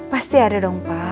pasti ada dong pak